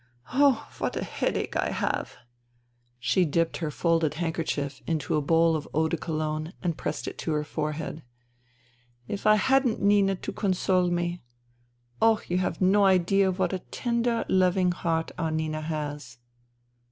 " Oh, what a headache I have !" She dipped her folded handkerchief into a bowl of eau de Cologne and pressed it to her forehead. " If I hadn't Nina to console me — Oh, you have no idea what a tender, loving heart our Nina has."